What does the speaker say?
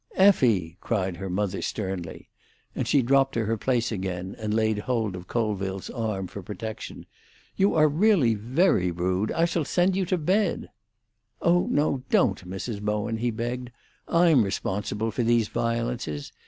"Effie!" cried her mother sternly; and she dropped to her place again, and laid hold of Colville's arm for protection. "You are really very rude. I shall send you to bed." "Oh no, don't, Mrs. Bowen," he begged. "I'm responsible for these violences.